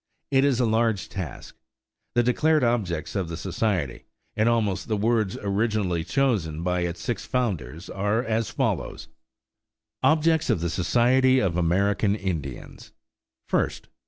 It is a large task. The declared objects of the society, in almost the words originally chosen by its six founders, are as follows: OBJECTS OF THE SOCIETY OF AMERICAN INDIANS _First.